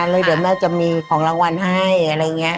แล้วเดี๋ยวแม่จะมีของรางวัลให้อะไรอย่างนี้